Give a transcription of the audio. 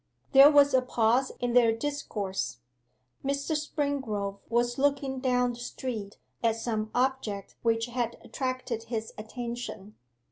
There was a pause in their discourse. Mr. Springrove was looking down the street at some object which had attracted his attention.